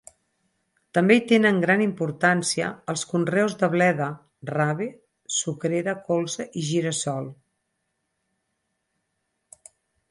També hi tenen gran importància els conreus de bleda-rave sucrera, colza i gira-sol.